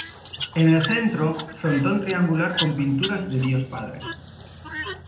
En el centro, frontón triangular con pintura de Dios Padre.